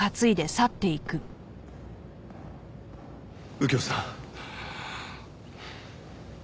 右京さん。